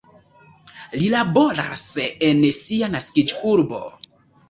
Li laboras en sia naskiĝurbo.